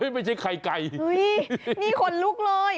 ไม่ใช่ไข่ไก่นี่ขนลุกเลย